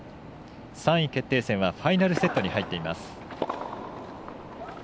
３位決定戦はファイナルセットに入っています。